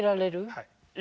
はい。